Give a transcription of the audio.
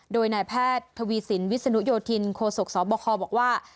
โดยนายแพทย์ทวีสินวิศนุโยธินโคศกสบคบอกว่า